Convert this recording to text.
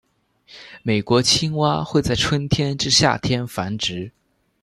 美国青蛙会在春天至夏天繁殖。